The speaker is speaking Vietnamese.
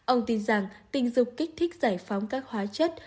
ông tin rằng tình dục kích thích giải phóng các hóa chất